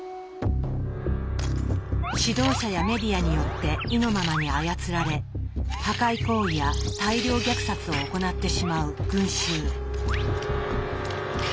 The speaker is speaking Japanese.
指導者やメディアによって意のままに操られ破壊行為や大量虐殺を行ってしまう群衆。